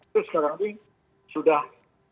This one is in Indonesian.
itu sekarang ini sudah